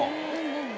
何？